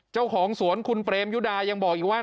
เจ้าของสวนคุณเปรมยุดายังบอกอีกว่า